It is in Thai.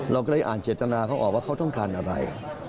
เราก็เลยอ่านเจตนาเขาออกว่าเขาต้องการอะไร